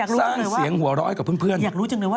สร้างเสียงหัวร้อยกับเพื่อนอยากรู้จังเลยว่า